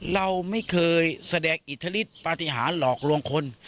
เราไม่เคยแสด็กอิทธรรมิจปัทหาหรอกลงคน